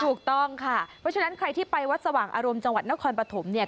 ถูกต้องค่ะเพราะฉะนั้นใครที่ไปวัดสว่างอารมณ์จังหวัดนครปฐมเนี่ย